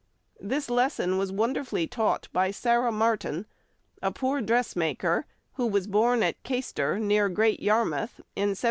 This lesson was wonderfully taught by Sarah Martin, a poor dressmaker, who was born at Caister, near Great Yarmouth, in 1791.